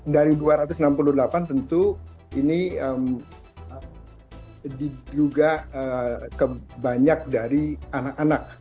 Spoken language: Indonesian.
dari dua ratus enam puluh delapan tentu ini diduga kebanyak dari anak anak